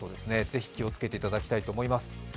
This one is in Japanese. ぜひ気をつけていただきと思います。